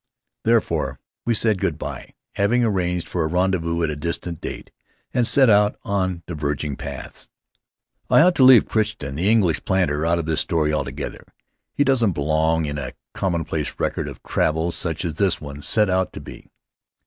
Therefore we said good by, having arranged for a rendezvous at a distant date, and set out on di verging paths. I ought to leave Crichton, the English planter, out of this story altogether. He doesn't belong in a commonplace record of travel such as this one set out A Leisurely Approach to be.